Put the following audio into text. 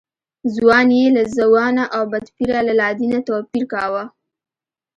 ځوان یې له ناځوانه او بدپیره له لادینه توپیر کاوه.